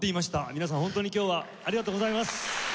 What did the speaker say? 皆様ホントに今日はありがとうございます。